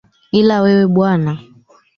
Ila wewe bwana